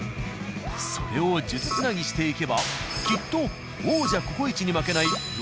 それを数珠つなぎしていけばきっと王者「ココイチ」に負けないロ